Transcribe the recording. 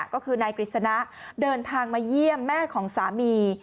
ก็คือนายกฤษณะเดินทางมาเยี่ยมแม่ของสามี